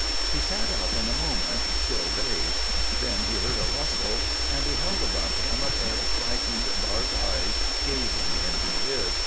He sat up in a moment, still dazed; then he heard a rustle, and beheld above him a pair of frightened, dark eyes gazing into his.